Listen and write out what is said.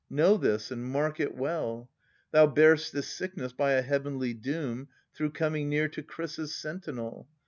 Know this, and mark it well: Thou bear'st this sickness by a heavenly doom. Through coming near to Chrysa's sentinel.